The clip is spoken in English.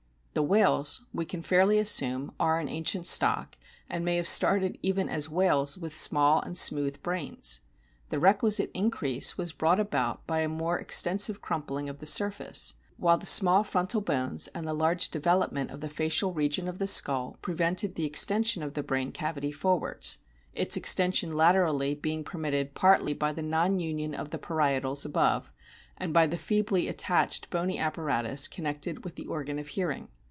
The whales, we can fairly assume, are an ancient stock, and may have started even as "whales" with small and smooth brains. The requisite increase was brought about by a more extensive crumpling of the surface, while the small frontal bones and the larore O development of the facial region of the skull pre vented the extension of the brain cavity forwards, its extension laterally being permitted partly by the non union of the parietals above, and by the feebly attached bony apparatus connected with the organ of hearing.